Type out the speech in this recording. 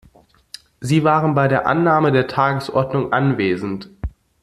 Sie waren bei der Annahme der Tagesordnung anwesend.